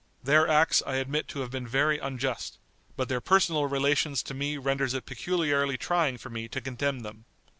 Their acts I admit to have been very unjust, but their personal relations to me renders it peculiarly trying for me to condemn them.